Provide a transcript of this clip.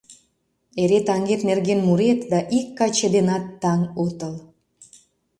— Эре таҥет нерген мурет да ик каче денат таҥ отыл!..